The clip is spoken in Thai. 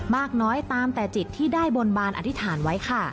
มากน้อยตามแต่จิตที่ได้บนบานอธิษฐานไว้ค่ะ